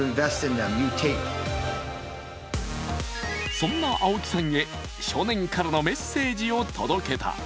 そんなアオキさんへ少年からのメッセージを届けた。